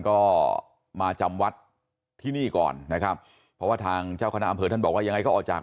ก็มาจำวัดที่นี่ก่อนนะครับเพราะว่าทางเจ้าคณะอำเภอท่านบอกว่ายังไงก็ออกจาก